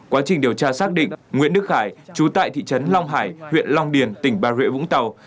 quá trình điều tra xác định nguyễn đức khải chú tại thị trấn long hải huyện long điền tỉnh bà rịa vũng tàu